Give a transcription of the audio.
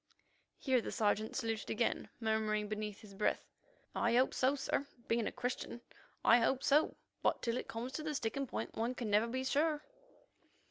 Here the Sergeant saluted again, murmuring beneath his breath, "I hope so, sir. Being a Christian, I hope so, but till it comes to the sticking point, one can never be sure."